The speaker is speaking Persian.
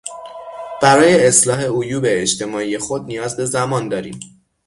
برای اصلاح عیوب اجتماعی خود نیاز به زمان داریم.